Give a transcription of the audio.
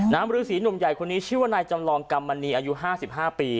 น้ำรือสีหนุ่มใหญ่คนนี้ชื่อวนายจำลองกรรมณีอายุ๕๕ปี